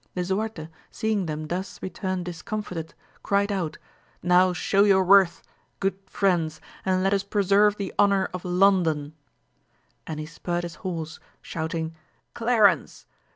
Lisuarte seeing them thus return dis comfited, cried out, now show your worth, good 192 AMADIS OF GAUL. friends, and let ns preserve the honour of London. And he spurred his horse, shouting Clarence